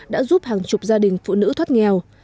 đã giúp hàng chục gia đình phụ nữ thoát nghèo